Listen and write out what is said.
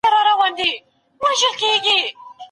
که همکاري سوې وي نو کار نه پاته کېږي.